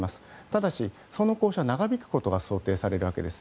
ただし、その交渉は長引くことが想定されるわけです。